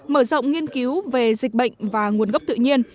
mở rộng nghiên cứu về dịch bệnh và nguồn gốc tự nhiên